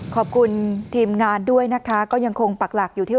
ขอบคุณทีมงานด้วยนะคะก็ยังคงปักหลักอยู่ที่